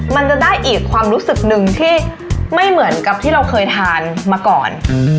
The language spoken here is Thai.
มันจะได้อีกความรู้สึกหนึ่งที่ไม่เหมือนกับที่เราเคยทานมาก่อน